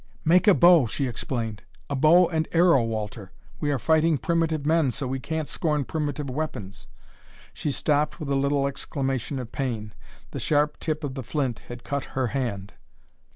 "Make a bow!" she exclaimed. "A bow and arrow, Walter! We are fighting primitive men, so we can't scorn primitive weapons." She stopped with a little exclamation of pain; the sharp tip of the flint had cut her hand.